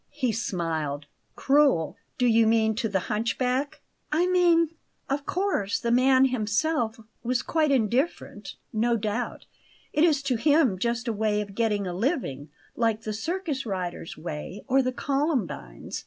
He smiled. "Cruel? Do you mean to the hunchback?" "I mean Of course the man himself was quite indifferent; no doubt, it is to him just a way of getting a living, like the circus rider's way or the columbine's.